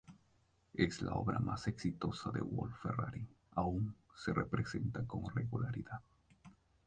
Es la obra larga más exitosa de Wolf-Ferrari, aún se representa con regularidad.